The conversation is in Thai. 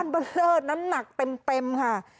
อ้อนเบอร์เลิศนั้นหนักเต็มค่ะ